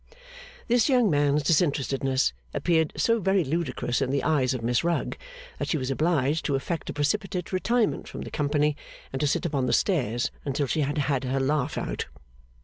This young man's disinterestedness appeared so very ludicrous in the eyes of Miss Rugg, that she was obliged to effect a precipitate retirement from the company, and to sit upon the stairs until she had had her laugh out.